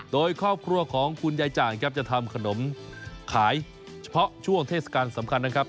โดยครอบครัวของคุณยายจ่างครับจะทำขนมขายเฉพาะช่วงเทศกาลสำคัญนะครับ